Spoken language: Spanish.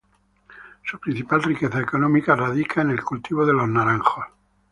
Su principal riqueza económica radica en el cultivo de los naranjos.